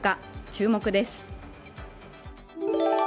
注目です。